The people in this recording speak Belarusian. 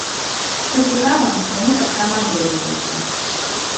Што цікава, яны таксама адрозніваюцца.